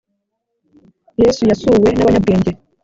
yesu yasuwe n’abanyabwenge